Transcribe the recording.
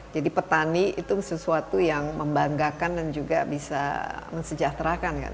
jadi petani itu sesuatu yang membanggakan dan juga bisa mensejahterakan